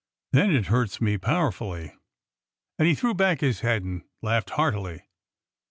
Then it hurts me powerfully !" And he threw back his head and laughed heartily.